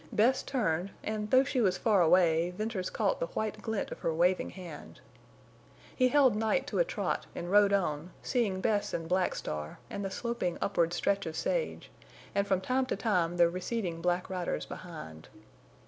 Bess turned, and, though she was far away, Venters caught the white glint of her waving hand. He held Night to a trot and rode on, seeing Bess and Black Star, and the sloping upward stretch of sage, and from time to time the receding black riders behind.